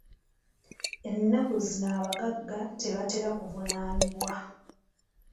Ennaku zino abagagga tebatera kuvunaanibwa.